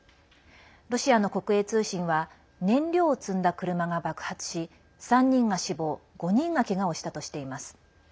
ロシアの国営通信は燃料を積んだ車が爆発し３人が死亡５人がけがをしたとしています。